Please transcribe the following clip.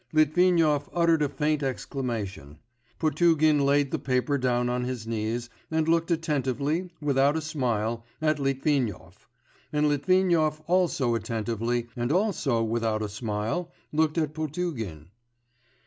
Litvinov uttered a faint exclamation. Potugin laid the paper down on his knees, and looked attentively, without a smile, at Litvinov; and Litvinov also attentively, and also without a smile, looked at Potugin.